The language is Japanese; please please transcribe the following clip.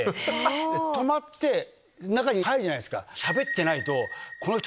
止まって中に入るじゃないですか。